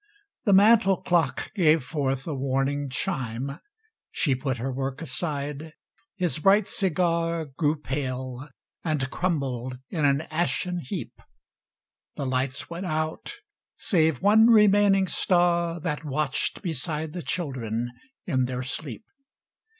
The mantel clock gave forth a warning chime. She put her work aside; his bright cigar Grew pale, and crumbled in an ashen heap. The lights went out, save one remaining star That watched beside the children in their sleep.